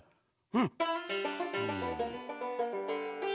うん。